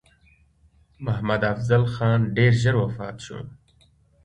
محمدافضل خان ډېر ژر وفات شو.